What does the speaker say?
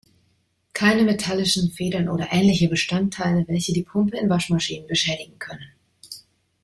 Keine metallischen Federn oder ähnliche Bestandteile, welche die Pumpe in Waschmaschinen beschädigen können.